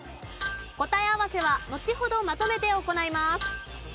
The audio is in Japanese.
答え合わせはのちほどまとめて行います。